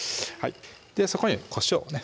そこにこしょうをね